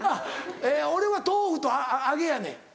あっ俺は豆腐と揚げやねん。